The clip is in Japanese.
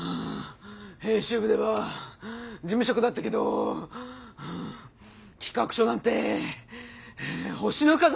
編集部では事務職だったけどハァ企画書なんて星の数ほど見てきた。